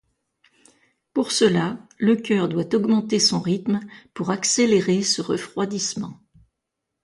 Pour cela, le coeur doit augmenter son rythme pour accélérer ce refroidissement.